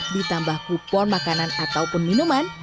ditambah kupon makanan ataupun minuman